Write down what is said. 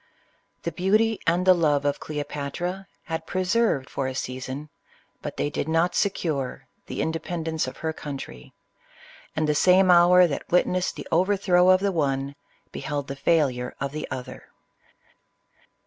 The beauty and the love of Cleopatra had preserved for a season, but they did not secure, the independence of her country ; and the same hour that witnessed the overthrow of the one, beheld the failure of the other.